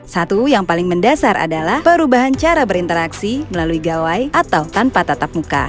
satu yang paling mendasar adalah perubahan cara berinteraksi melalui gawai atau tanpa tatap muka